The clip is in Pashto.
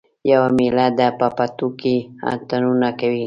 یوه میله ده په پټو کې اتڼونه کوي